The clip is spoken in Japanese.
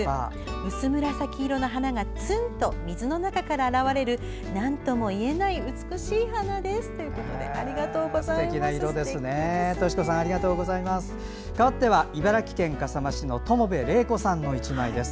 薄紫色の花がツンと水の中から現れるなんともいえない美しい花ですということでありがとうございます。